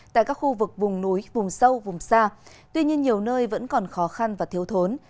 tại các khu vực vùng núi vùng sâu vùng xa tuy nhiên nhiều nơi vẫn còn khó khăn và thiếu thốn